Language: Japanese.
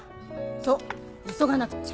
そう急がなくっちゃ！